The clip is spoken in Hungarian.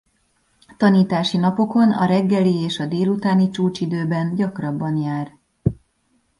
Tanítási napokon a reggeli és a délutáni csúcsidőben gyakrabban jár.